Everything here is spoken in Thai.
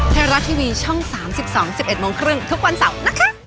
เทราะทีวีช่อง๓๒๑๑๓๐ทุกวันเสาร์นะคะ